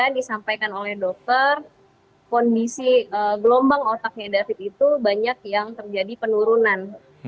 disampaikan oleh dokter kondisi gelombang otaknya david itu banyak yang terjadi penurunan